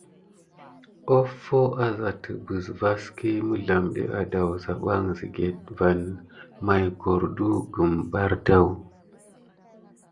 Hofo azà təɓəz vaski mizelamɗe adaou saback sikéte van maya cordu kum bardaou.